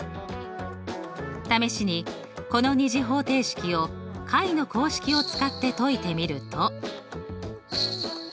試しにこの２次方程式を解の公式を使って解いてみると。